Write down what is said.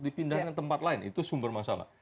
dipindahkan ke tempat lain itu sumber masalah